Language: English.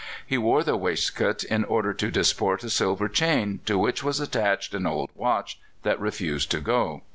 He wore the waistcoat in order to disport a silver chain, to which was attached an old watch that refused to go.